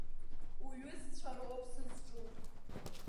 Уҩызцәа роуп сызҿу.